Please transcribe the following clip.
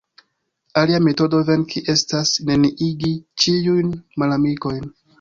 Alia metodo venki estas neniigi ĉiujn malamikojn.